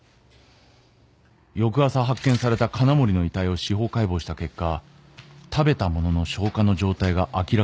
翌朝発見された金森の遺体を司法解剖した結果食べた物の消化の状態が明らかになった。